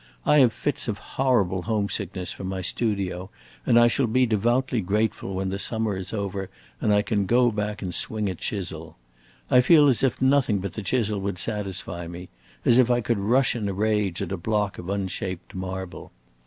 I have fits of horrible homesickness for my studio, and I shall be devoutly grateful when the summer is over and I can go back and swing a chisel. I feel as if nothing but the chisel would satisfy me; as if I could rush in a rage at a block of unshaped marble.